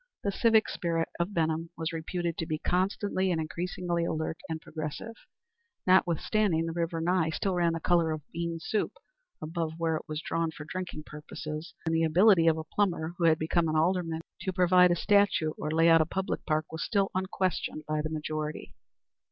The civic spirit of Benham was reputed to be constantly and increasingly alert and progressive, notwithstanding the river Nye still ran the color of bean soup above where it was drawn for drinking purposes, and the ability of a plumber, who had become an alderman, to provide a statue or lay out a public park was still unquestioned by the majority.